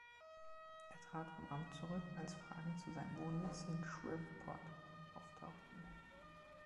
Er trat vom Amt zurück, als Fragen zu seinem Wohnsitz in Shreveport auftauchten.